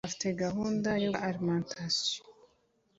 afite gahunda yo gushinga alimentation